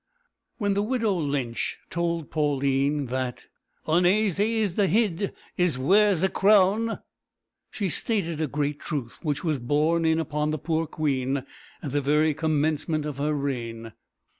When the widow Lynch told Pauline that "onaisy is the hid as wears a crown," she stated a great truth which was borne in upon the poor queen at the very commencement of her reign.